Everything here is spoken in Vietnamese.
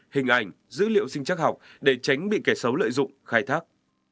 hình ảnh dữ liệu sinh chắc học để tránh bị kẻ xấu lợi dụng khai thác